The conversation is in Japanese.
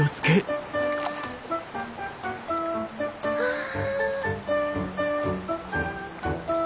ああ。